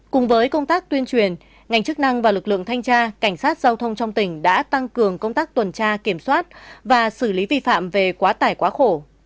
cùng với công tác tuyên truyền ngành chức năng và lực lượng thanh tra cảnh sát giao thông trong tỉnh đã tăng cường công tác tuần tra kiểm soát và xử lý vi phạm về quá tải quá khổ